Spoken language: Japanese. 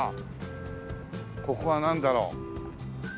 ここはなんだろう？